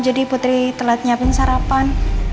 jadi putri telat siapin sarapan